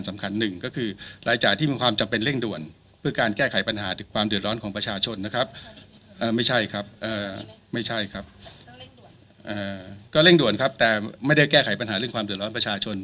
ไม่ใช่ครับเอ่อไม่ใช่ครับเอ่อก็เร่งด่วนครับแต่ไม่ได้แก้ไขปัญหาเรื่องความเดือดร้อนประชาชน